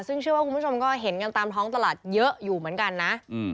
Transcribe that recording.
ซึ่งเชื่อว่าคุณผู้ชมก็เห็นกันตามท้องตลาดเยอะอยู่เหมือนกันนะ